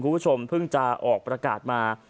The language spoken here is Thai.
คุณผู้ชมเพิ่งจะออกประกาศมา